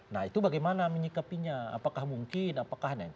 nah itu bagaimana menyikapinya apakah mungkin apakah